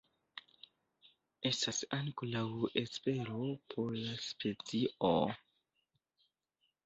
Estas ankoraŭ espero por la specio.